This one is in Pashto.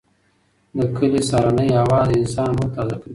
د کلي سهارنۍ هوا د انسان روح تازه کوي.